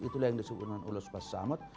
itulah yang disebutkan ulos pas samad